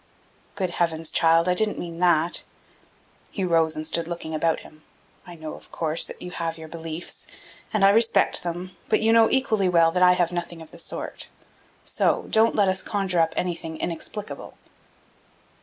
"Good heavens, child, I didn't mean that!" He rose and stood looking about him. "I know, of course, that you have your beliefs, and I respect them, but you know equally well that I have nothing of the sort! So don't let us conjure up anything inexplicable."